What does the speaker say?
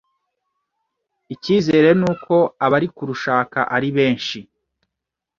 Icyizere ni uko abari kurushaka ari benshi